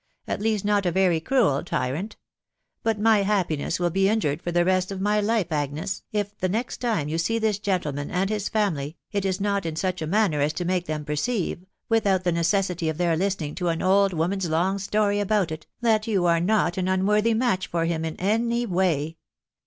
...* at least not a very cruel tyrant ; but my happiness will he in jured for the rest of my life, Agnes, if the next time you see this gentleman and his family, it is not in such a manner aa to make them perceive, without the necessity of their 1i*tpnfr*g to an old woman's long story about it, that you are not an' wu worthy match for him in any way.